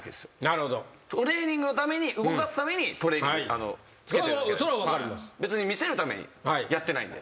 トレーニングのために動かすためにつけてるわけで別に見せるためにやってないんで。